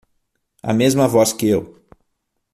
A mesma voz que eu